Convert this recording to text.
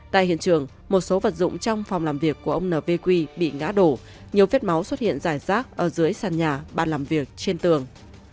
tại hiện trường một số vật dụng trong phòng làm việc của ông nvq bị ngã đổ nhiều vết máu xuất hiện dài rác ở dưới sàn nhà bàn làm việc trên tường